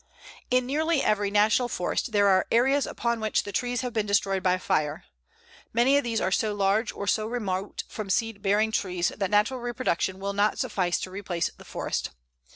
In nearly every National Forest there are areas upon which the trees have been destroyed by fire. Many of these are so large or so remote from seed bearing trees that natural reproduction will not suffice to replace the forest.